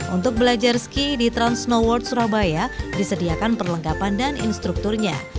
untuk belajar ski di trans snow world surabaya disediakan perlengkapan dan instrukturnya